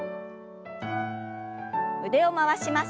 腕を回します。